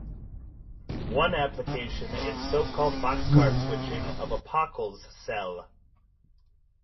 One application is so-called boxcar switching of a Pockels cell.